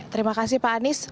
terima kasih pak anies